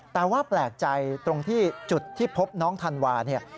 แต่ว่าแปลกใจตรงที่จุดที่พบน้องธันวาเนี่ย